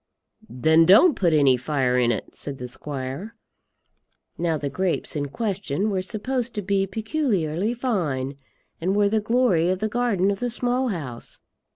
"Then don't put any fire in it," said the squire. Now the grapes in question were supposed to be peculiarly fine, and were the glory of the garden of the Small House.